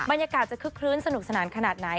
บรรยากาศจะคึกคลื้นสนุกสนานขนาดไหน